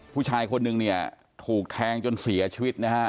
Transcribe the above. ผู้ชายคนนึงเนี่ยถูกแทงจนเสียชีวิตนะฮะ